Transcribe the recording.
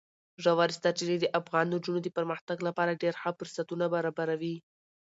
ژورې سرچینې د افغان نجونو د پرمختګ لپاره ډېر ښه فرصتونه برابروي.